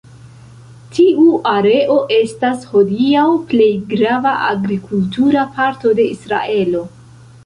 Tiu areo estas hodiaŭ plej grava agrikultura parto de Israelo.